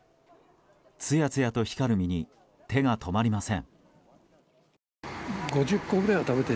つやつやと光る実に手が止まりません。